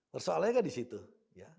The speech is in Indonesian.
persoalannya kan disitu ya